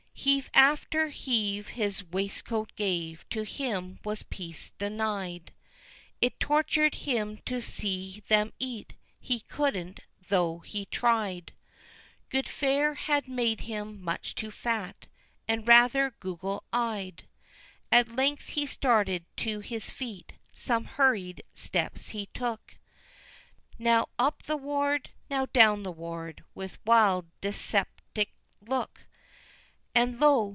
Heave after heave his waistcoat gave, to him was peace denied, It tortured him to see them eat, he couldn't though he tried! Good fare had made him much too fat, and rather goggle eyed; At length he started to his feet, some hurried steps he took, Now up the ward, now down the ward, with wild dyspeptic look, And lo!